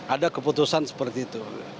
ada keputusan seperti itu